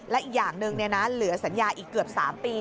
และอย่างนึงเนี่ยนะเหลือสัญญาอีกเกือบ๓ปี